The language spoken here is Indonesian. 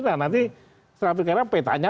nanti setelah bingkada petanya